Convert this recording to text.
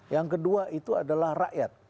yang kedua itu adalah rakyat